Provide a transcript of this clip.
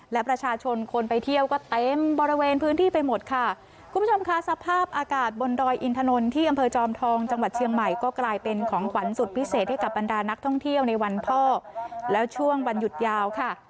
และประชาชนคนไปเที่ยวก็เต็มบริเวณพื้นที่ไปหมดค่ะคุณผู้ชมค่ะสภาพอากาศบนดอยอินถนนที่อำเภอจอมทองจังหวัดเชียงใหม่ก็กลายเป็นของขวัญสุดพิเศษให้กับบรรดานักท่องเที่ยวในวันพ่อแล้วช่วงวันหยุดยาวค่ะ